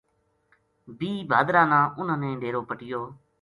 بیہہ بھادرا نا اِنھاں نے ڈیرو پَٹیو